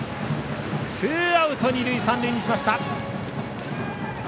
ツーアウト、二塁三塁にしました。